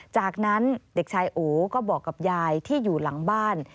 จากนั้นเด็กชายโอก็บอกกับยายที่อยู่หลังบ้าน